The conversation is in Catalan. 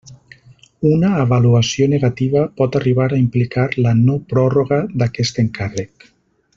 Una avaluació negativa pot arribar a implicar la no-pròrroga d'aquest encàrrec.